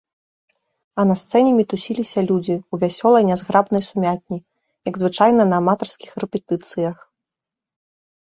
А на сцэне мітусіліся людзі ў вясёлай нязграбнай сумятні, як звычайна на аматарскіх рэпетыцыях.